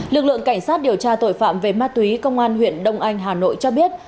lực lượng cảnh sát điều tra tội phạm về ma túy công an huyện đông anh hà nội cho biết